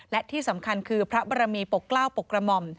และที่สำคัญคือพระบรมีปกเกล้าวปกกระหม่อม